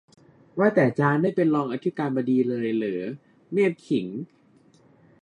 ว่าแต่จารย์ได้เป็นรองอธิการบดีเลยเหรอ เมพขิง